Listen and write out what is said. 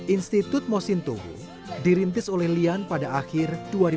institut mosinto dirintis oleh lian pada akhir dua ribu sembilan